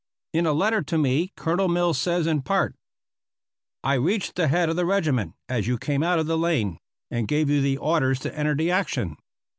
In a letter to me Colonel Mills says in part: I reached the head of the regiment as you came out of the lane and gave you the orders to enter the action.